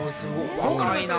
若いなぁ。